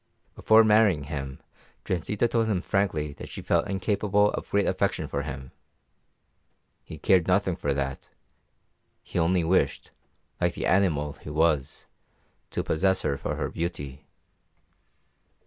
Before marrying him Transita told him frankly that she felt incapable of great affection for him; he cared nothing for that, he only wished, like the animal he was, to possess her for her beauty.